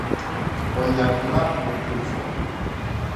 O nyɛriti la o puli zuɣu.